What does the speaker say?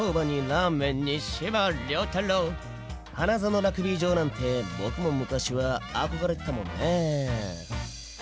花園ラグビー場なんて僕も昔は憧れてたもんね。